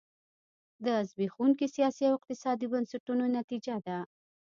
دا د زبېښونکو سیاسي او اقتصادي بنسټونو نتیجه ده.